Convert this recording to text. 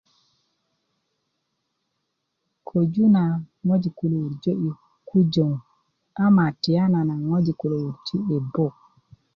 köju na ŋojik kulu wurja ko kujöŋ ama tiyanana ŋojik kulo wurji ko buk